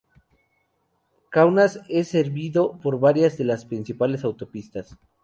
Kaunas es servido por varias de las principales autopistas.